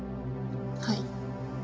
はい。